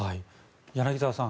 柳澤さん